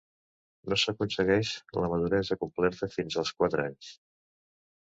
No s'aconsegueix la maduresa completa fins als quatre anys.